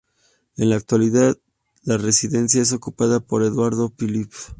En la actualidad la residencia es ocupada por Édouard Philippe.